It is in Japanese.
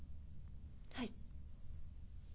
はい。